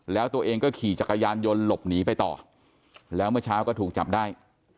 แล้วตัวเองก็ขี่จักรยานยนต์หลบหนีไปต่อแล้วเมื่อเช้าก็ถูกจับได้